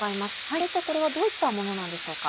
先生これはどういったものなんでしょうか。